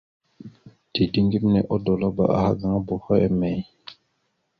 Dideŋ geme odolabáaha gaŋa boho emey ?